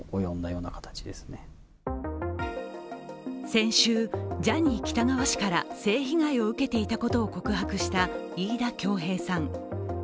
先週、ジャニー喜多川氏から性被害を受けていたことを告白した飯田恭平さん。